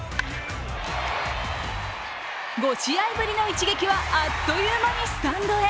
５試合ぶりの一撃はあっという間にスタンドへ。